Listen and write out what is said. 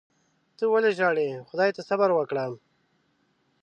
ته ولي ژاړې . خدای ته صبر وکړه